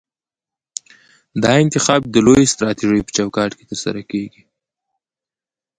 دا انتخاب د لویې سټراټیژۍ په چوکاټ کې ترسره کیږي.